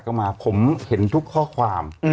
ก็มาผมเห็นทุกข้อความ